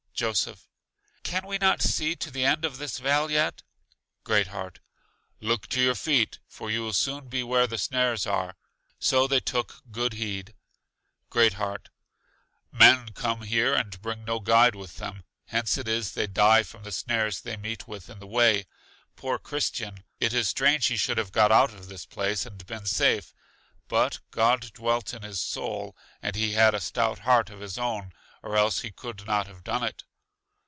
Joseph: Can we not see to the end of this vale yet? Great heart: Look to your feet, for you will soon be where the snares are. So they took good heed. Great heart: Men come here and bring no guide with them; hence it is they die from the snares they meet with in the way. Poor Christian! it is strange he should have got out of this place, and been safe. But God dwelt in his soul, and he had a stout heart, of his own, or else he could not have done it.